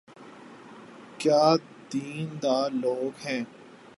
کیا دین دار لوگ ہیں۔